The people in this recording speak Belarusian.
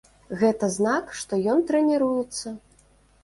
Гэта знак, што ён трэніруецца.